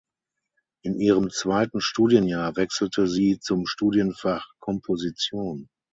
In ihrem zweiten Studienjahr wechselte sie zum Studienfach Komposition.